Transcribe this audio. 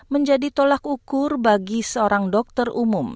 menjadi tolak ukur bagi seorang dokter umum